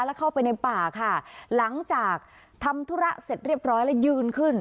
แล้วเข้าไปในป่าค่ะหลังจากทำธุระเสร็จเรียบร้อยแล้วยืนขึ้น